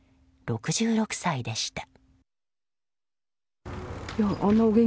６６歳でした。